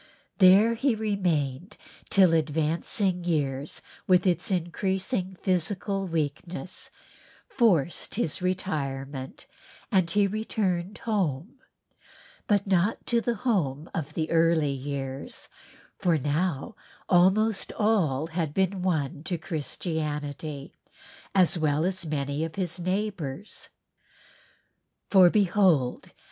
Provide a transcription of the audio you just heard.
There he remained till advancing years with its increasing physical weakness forced his retirement and he returned home, but not to the home of the early years for now almost all had been won to Christianity, as well as many of his neighbors. "For behold